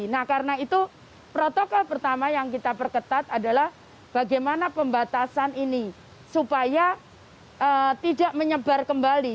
nah karena itu protokol pertama yang kita perketat adalah bagaimana pembatasan ini supaya tidak menyebar kembali